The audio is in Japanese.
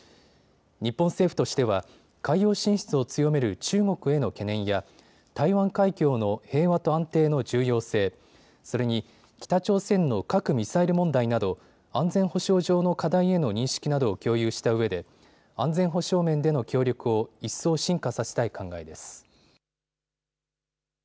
日本政府としては海洋進出を強める中国への懸念や台湾海峡の平和と安定の重要性、それに北朝鮮の核・ミサイル問題など安全保障上の課題への認識などを共有したうえで安全保障面での協力を一層深化させたい考えです。